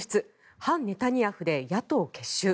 反ネタニヤフで野党結集。